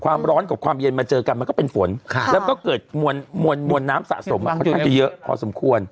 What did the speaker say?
ความร้อนกับความเย็นมาเจอกันมันก็เป็นฝนแล้วก็เกิดมวลน้ำสะสมค่อนข้างจะเยอะพอสมควร